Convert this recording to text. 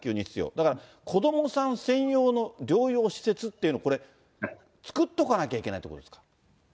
だから、子どもさん専用の療養施設っていうのをこれ、作っとかなきゃいけないということですか。